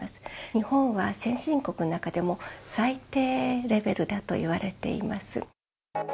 日本は先進国の中でも、最低レベルだといわれています。